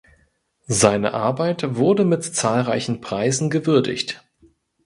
Seine Arbeit wurde mit zahlreichen Preisen gewürdigt.